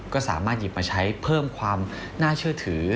ก็สามารถหยิบมาใช้เพิ่มความน่าเชื่อถือ